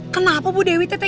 kenapa bu dewi tetek